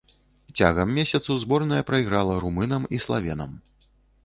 Цягам месяцу зборная прайграла румынам і славенцам.